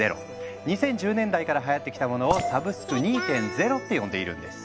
２０１０年代からはやってきたものを「サブスク２．０」って呼んでいるんです。